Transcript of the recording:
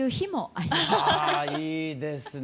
あいいですね